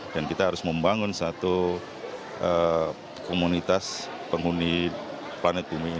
dan kita harus membangun satu komunitas penghuni planet bumi